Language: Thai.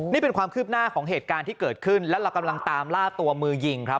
นี่เป็นความคืบหน้าของเหตุการณ์ที่เกิดขึ้นแล้วเรากำลังตามล่าตัวมือยิงครับ